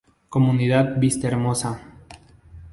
Comunidad Vista Hermosa.